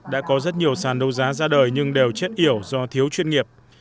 đã có rất nhiều sàn đấu giá ra đời nhưng đều chết yểu do thiếu chuyên nghiệp